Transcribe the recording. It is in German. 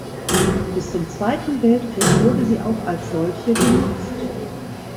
Bis zum Zweiten Weltkrieg wurde sie auch als solche genutzt.